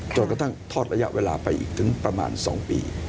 กระทั่งทอดระยะเวลาไปอีกถึงประมาณ๒ปี